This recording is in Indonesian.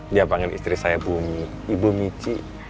dia panggil istri saya bumi ibu mici